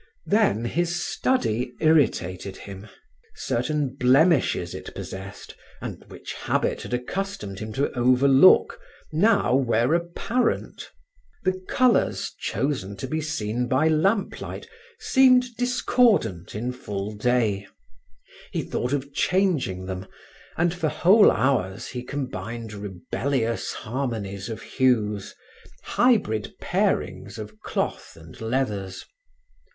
Then his study irritated him. Certain blemishes it possessed, and which habit had accustomed him to overlook, now were apparent. The colors chosen to be seen by lamp light seemed discordant in full day. He thought of changing them and for whole hours he combined rebellious harmonies of hues, hybrid pairings of cloth and leathers.